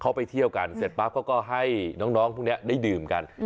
เข้าไปเที่ยวกันเสร็จปรับเขาก็ให้น้องน้องทุกนี้ได้ดื่มกันอืม